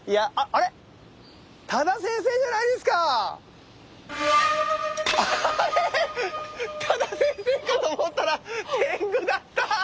あれ⁉多田先生かと思ったら天狗だった。